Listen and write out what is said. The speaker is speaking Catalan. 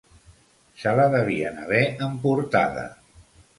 Se la devien haver emportada.